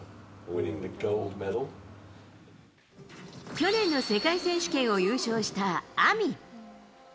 去年の世界選手権を優勝した、ＡＭＩ。